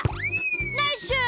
ナイッシュー！